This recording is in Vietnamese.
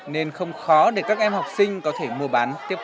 nên không khó để các em học sinh có thể mua bán tiếp